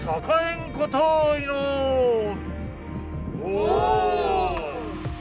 お。